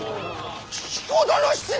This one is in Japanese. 彦殿七殿！